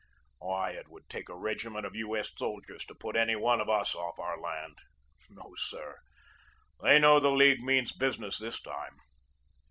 Why, it would take a regiment of U. S. soldiers to put any one of us off our land. No, sir; they know the League means business this time."